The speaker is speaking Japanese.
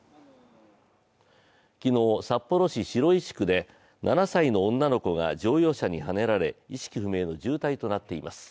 昨日、札幌市白石区で７歳の女の子が乗用車にはねられ意識不明の重体となっています。